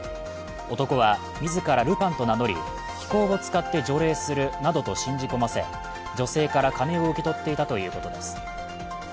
男は自らルパンと名乗り気功を使って除霊するなどと信じ込ませ女性から金を受け取っていたということです。